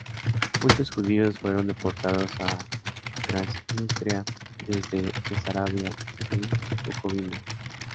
Muchos judíos fueron deportados a Transnistria desde Besarabia y Bucovina.